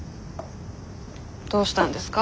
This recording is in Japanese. どうしたんですか？